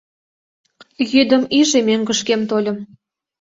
Йӱдым иже мӧҥгышкем тольым.